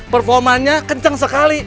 performanya kenceng sekali